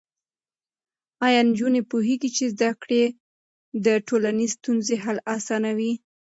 ایا نجونې پوهېږي چې زده کړه د ټولنیزو ستونزو حل اسانوي؟